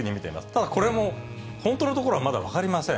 ただこれも、本当のところはまだ分かりません。